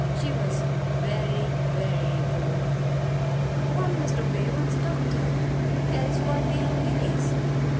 She was very, very bored. One must obey one's doctor. Else why pay him guineas?